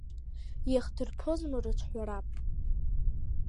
Иахдырԥозма рыҿҳәара.